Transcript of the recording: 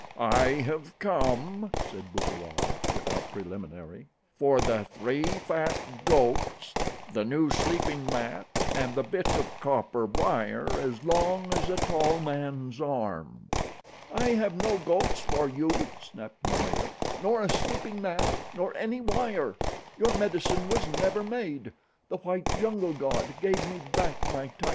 "I have come," said Bukawai without preliminary, "for the three fat goats, the new sleeping mat, and the bit of copper wire as long as a tall man's arm." "I have no goats for you," snapped Momaya, "nor a sleeping mat, nor any wire. Your medicine was never made. The white jungle god gave me back my Tibo.